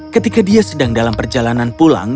ketika dia sedang dalam perjalanan pulang